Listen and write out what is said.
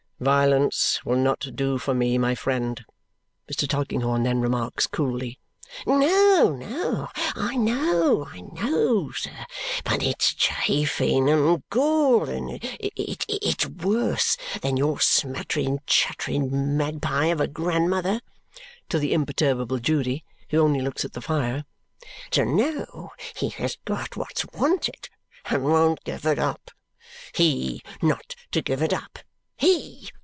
"Violence will not do for me, my friend," Mr. Tulkinghorn then remarks coolly. "No, no, I know, I know, sir. But it's chafing and galling it's it's worse than your smattering chattering magpie of a grandmother," to the imperturbable Judy, who only looks at the fire, "to know he has got what's wanted and won't give it up. He, not to give it up! HE!